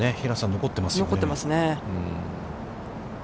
残っていますね。